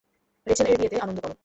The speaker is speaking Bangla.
রেচেল-এর বিয়েতে আনন্দ করো!